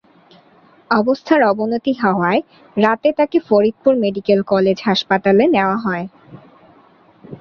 অবস্থার অবনতি হওয়ায় রাতে তাঁকে ফরিদপুর মেডিকেল কলেজ হাসপাতালে নেওয়া হয়।